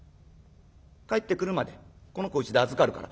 返ってくるまでこの子うちで預かるから」。